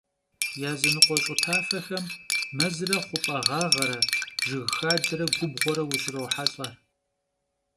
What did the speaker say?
Yazınıkhue ş'ı tafexem mezre xhup'e ğağere, jjıg xadere gubğuere vuşrohelh'e.